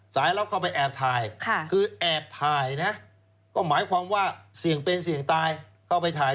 สายลับเข้าไปแอบถ่าย